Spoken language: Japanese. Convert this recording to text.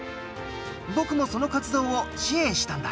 僕もその活動を支援したんだ。